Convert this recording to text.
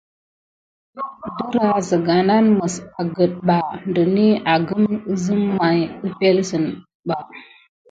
Dərah zəga nan məs agət ɓa dəni agəm əzəm may əpelsən ɗəf ɓa.